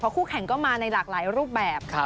คู่แข่งก็มาในหลากหลายรูปแบบ